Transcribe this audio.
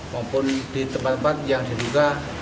maupun di tempat tempat yang diduga